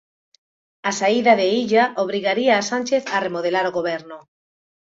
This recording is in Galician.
A saída de Illa obrigaría a Sánchez a remodelar o Goberno.